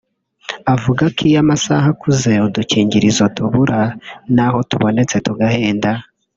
avuga ko iyo amasaha akuze udukingirizo tubura naho tubonetse tugahenda